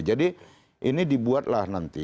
jadi ini dibuatlah nanti